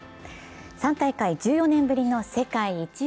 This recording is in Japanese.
３大会１４年ぶりの世界一へ。